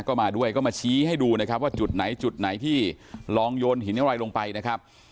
ก็มาด้วยก็มาชี้ให้ดูนะครับว่าจุดไหนจุดไหนที่ลองโยนหินอะไรลงไปนะครับ